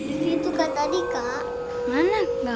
ientukan tadi kak mana maneko